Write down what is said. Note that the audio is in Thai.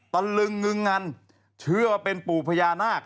ตะลึงงึงงันเชื่อว่าเป็นปู่พญานาค